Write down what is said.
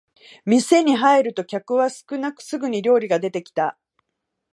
店に入ると客は少なくすぐに料理が出てきた